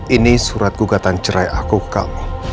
ini surat gugatan cerai aku kamu